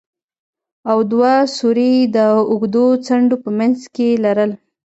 او دوه سوري يې د اوږدو څنډو په منځ کښې لرل.